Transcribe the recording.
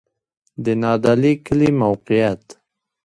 د نادعلي کلی موقعیت